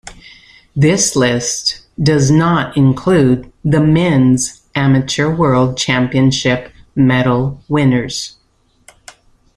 This list does "not" include the Men's Amateur World Championship medal winners.